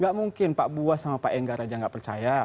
gak mungkin pak buas sama pak enggar aja nggak percaya